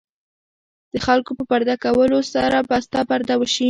د خلکو په پرده کولو سره به ستا پرده وشي.